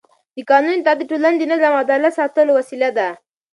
د قانون اطاعت د ټولنې د نظم او عدالت ساتلو وسیله ده